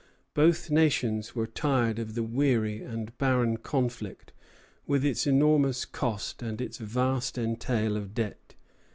Both nations were tired of the weary and barren conflict, with its enormous cost and its vast entail of debt.